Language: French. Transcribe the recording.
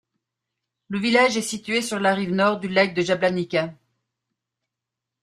Le village est situé sur la rive nord du lac de Jablanica.